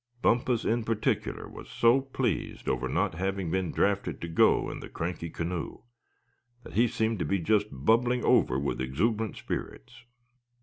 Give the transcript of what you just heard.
Bumpus in particular was so pleased over not having been drafted to go in the cranky canoe that he seemed to be just bubbling over with exuberant spirits.